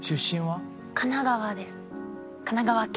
神奈川県。